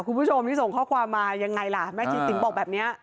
คุณผู้ชมที่ส่งข้อความมายังไงล่ะแม่ชีติ๋มบอกแบบนี้